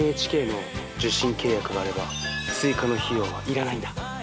ＮＨＫの受信契約があれば追加の費用は要らないんだ。